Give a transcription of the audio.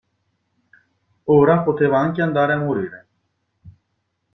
Ora poteva anche andare a morire.